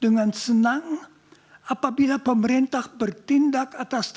dengan senang apabila pemerintah bertindak atas tanah